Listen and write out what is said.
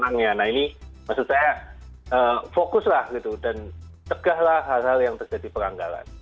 nah ini maksud saya fokuslah gitu dan tegahlah hal hal yang terjadi peranggalan